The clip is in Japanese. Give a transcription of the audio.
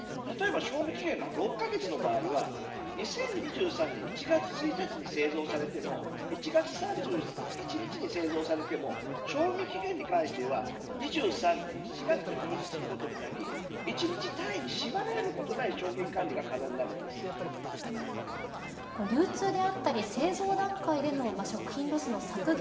例えば賞味期限が６カ月の場合は２０２３年１月１日に製造されても１月３１日に製造されていても賞味期限に関しては２３年７月と表示することにより１日単位に縛られない流通であったり製造段階での食品ロスの削減